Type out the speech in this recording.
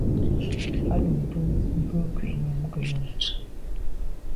A lo be be kwinyàm ke yon nse’e.